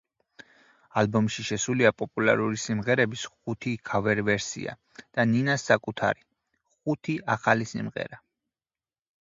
ალბომში შესულია პოპულარული სიმღერების ხუთი ქავერ-ვერსია და ნინას საკუთარი, ხუთი ახალი სიმღერა.